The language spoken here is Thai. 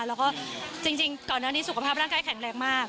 แล้วก็จริงก่อนหน้านี้สุขภาพร่างกายแข็งแรงมาก